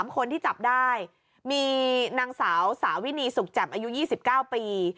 ๓คนที่จับได้มีนางสาวสาวินีสุขแจ่มอายุ๒๙ปี